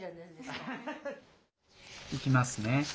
いきますね。